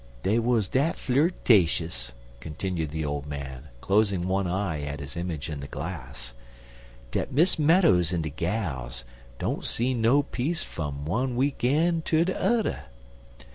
Dey wuz dat flirtashus," continued the old man, closing one eye at his image in the glass, "dat Miss Meadows en de gals don't se no peace fum one week een' ter de udder.